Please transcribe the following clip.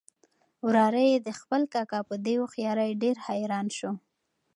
وراره یې د خپل کاکا په دې هوښیارۍ ډېر حیران شو.